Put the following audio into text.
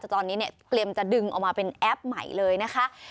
ตอนนี้เนี่ยเตรียมจะดึงออกมาเป็นแอปใหม่เลยนะคะ